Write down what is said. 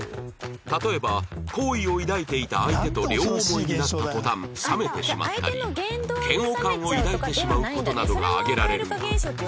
例えば好意を抱いていた相手と両思いになった途端冷めてしまったり嫌悪感を抱いてしまう事などが挙げられるが